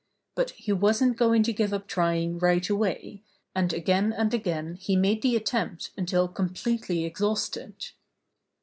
But he wasn't going to give up trying right away, and again and again he made the attempt until completely exhausted.